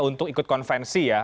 untuk ikut konvensi ya